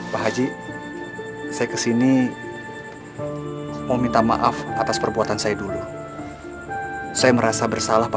pak haji saya kesini mau minta maaf atas perbuatan saya dulu saya merasa bersalah pak